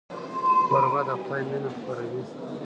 کوربه د خدای مینه خپروي.